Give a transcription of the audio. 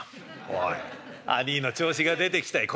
「おい兄ぃの調子が出てきたい。